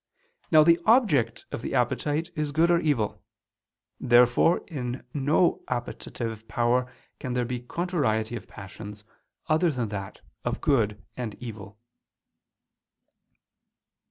Now the object of the appetite is good or evil. Therefore in no appetitive power can there be contrariety of passions other than that of good and evil.